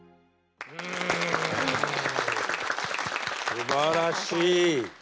すばらしい。